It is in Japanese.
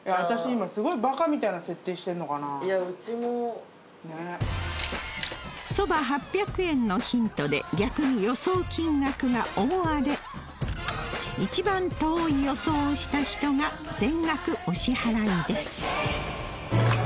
今いやうちもそば８００円のヒントで逆に予想金額が大荒れ一番遠い予想をした人が全額お支払いです